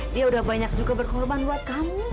dia udah banyak juga berkorban buat kamu